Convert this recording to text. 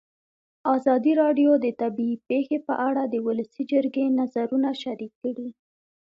ازادي راډیو د طبیعي پېښې په اړه د ولسي جرګې نظرونه شریک کړي.